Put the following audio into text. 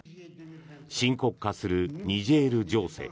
深刻化するニジェール情勢。